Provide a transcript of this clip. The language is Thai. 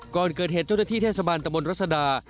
ก่อนเกิดเหตุเจ้าหน้าที่เทศบาลตะบนรัศดา